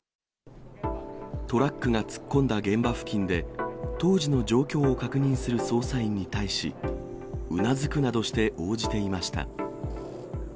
トラックが突っ込んだ現場付近で、当時の状況を確認する捜査員に対し、うなずくなどして応じていました。